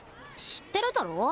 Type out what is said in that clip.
知ってるだろ？